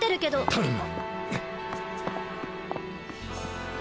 頼む！